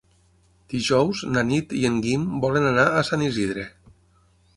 Dijous na Nit i en Guim volen anar a Sant Isidre.